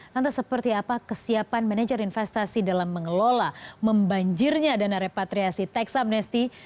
tentang seperti apa kesiapan manajer investasi dalam mengelola membanjirnya dana repatriasi tax amnesty